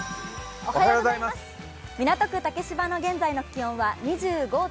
港区竹芝の現在の気温は２５．９度。